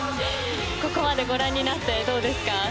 ここまでご覧になってどうですか。